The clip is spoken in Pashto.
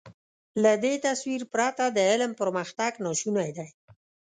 له دې تصور پرته د علم پرمختګ ناشونی دی.